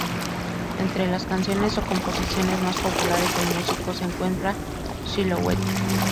Entre las canciones o composiciones más populares del músico, se encuentra "Silhouette".